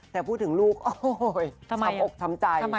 แต่พูดถึงลูกโอ้โหช้ำอกช้ำใจ